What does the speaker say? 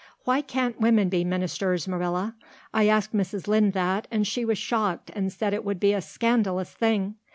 Why can't women be ministers, Marilla? I asked Mrs. Lynde that and she was shocked and said it would be a scandalous thing.